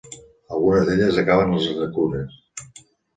Algunes d'elles acaben en les llacunes.